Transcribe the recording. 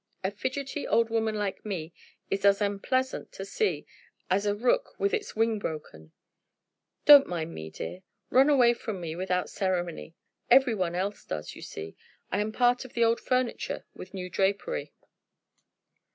A fidgety old woman like me is as unpleasant to see as a rook with its wing broken. Don't mind me, my dear. Run away from me without ceremony. Every one else does, you see. I am part of the old furniture with new drapery."